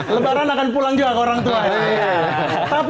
lembaran akan pulang juga ke orang tua